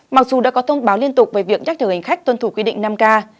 mặc dù đã có thông báo liên tục về việc nhắc nhở hành khách tuân thủ quy định năm k